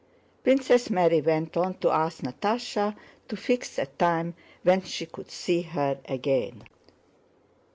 Princess Mary went on to ask Natásha to fix a time when she could see her again.